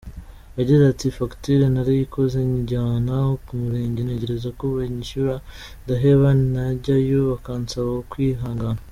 Yagize ati “Facture narayikoze nyijyana ku Murenge, ntegereza ko banyishyura ndaheba, najyayo bakansaba kwihangana.